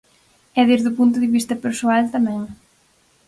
E desde o punto de vista persoal tamén.